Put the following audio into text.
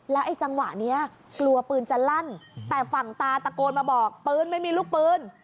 ไอ้จังหวะนี้กลัวปืนจะลั่นแต่ฝั่งตาตะโกนมาบอกปืนไม่มีลูกปืน